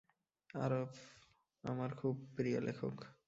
আরফব আমার খুব প্রিয় লেখক।